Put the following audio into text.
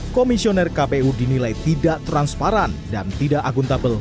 komisioner kpu dinilai tidak transparan dan tidak akuntabel